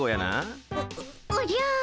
おおじゃ。